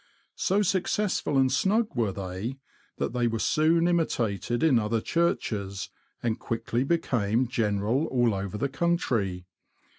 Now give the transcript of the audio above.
So successful and snug were they, that they were soon imitated in other churches, and quickly became general all over the country.